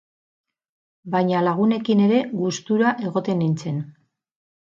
Baina lagunekin ere gustura egoten nintzen.